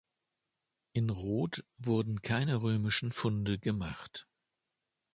In Roth wurden keine römischen Funde gemacht.